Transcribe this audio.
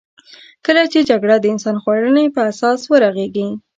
کله چې جګړه د انسان خوړنې په اساس ورغېږې.